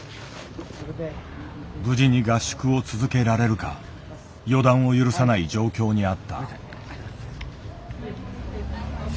無事に合宿を続けられるか予断を許さない状況にあった。